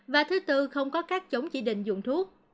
và thứ tư không có các chống chỉ định dùng thuốc